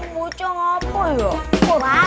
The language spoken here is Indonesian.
bujang apa ya